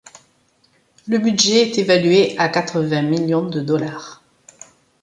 Le budget est évalué à quatre-vingt millions de dollars.